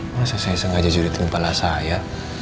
masa saya sengaja sulit kepala saya